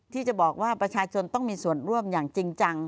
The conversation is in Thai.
ที่จะบอกว่าประชาชนต้องมีส่วนร่วมอย่างจริงจัง